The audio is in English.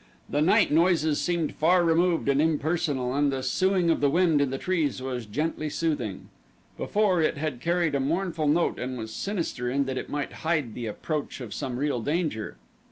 The night noises seemed far removed and impersonal and the soughing of the wind in the trees was gently soothing. Before, it had carried a mournful note and was sinister in that it might hide the approach of some real danger.